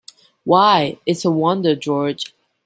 Why, it's a wonder, George!